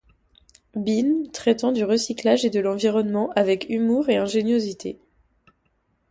Bean traitant du recyclage et de l'environnement avec humour et ingéniosité.